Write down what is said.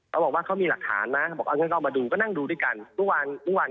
ก็เห็นลักษณะจริงเพราะว่า